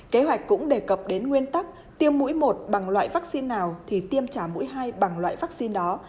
kế hoạch cũng đề cập đến nguyên tắc tiêm mũi một bằng loại vaccine nào thì tiêm trả mũi hai bằng loại vaccine đó